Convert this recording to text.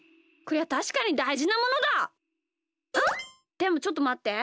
でもちょっとまって。